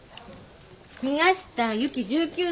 宮下由紀１９歳。